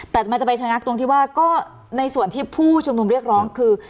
แต่มันจะไปชะงักตรงที่ว่าก็ในส่วนที่ผู้ชุมนุมเรียกร้องคือ